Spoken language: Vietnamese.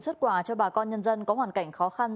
xuất quà cho bà con nhân dân có hoàn cảnh khó khăn